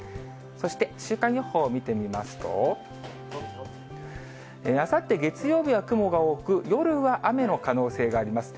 そして週間予報を見てみますと、あさって月曜日は雲が多く、夜は雨の可能性があります。